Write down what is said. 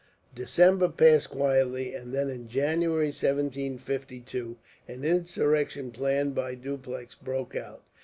December passed quietly; and then, in January, 1752, an insurrection planned by Dupleix broke out.